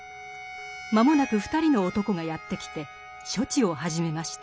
間もなく２人の男がやって来て処置を始めました。